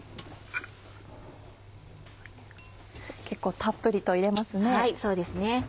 結構たっぷりと入れますね。